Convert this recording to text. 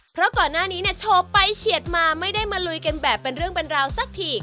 เพราะก่อนหน้านี้เนี่ยโชว์ไปเฉียดมาไม่ได้มาลุยกันแบบเป็นเรื่องเป็นราวสักที